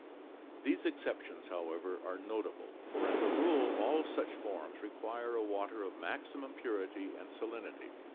These exceptions, however, are notable, for as a rule all such forms require a water of maximum purity and salinity.